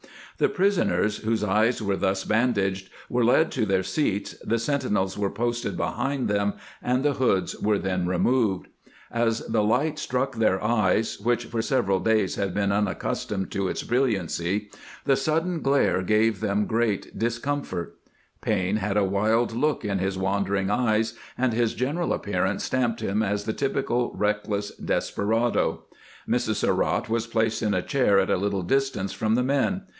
The prisoners, whose eyes were thus bandaged, were led to their seats, the sentinels were posted behind them, and the hoods were then re moved. As the hght struck their eyes, which for sev 502 CAMPAIGNING WITH GBANT eral days had been unaccustomed to its brilliancy, tbe sudden glare gave tbem great discomfort. Payne had a wUd look in his wandering eyes, and his general ap pearance stamped him as the typical reckless desperado. Mrs. Surratt was placed in a chair at a little distance from the men.